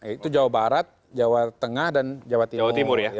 itu jawa barat jawa tengah dan jawa timur